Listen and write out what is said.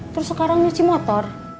terus sekarang nguci motor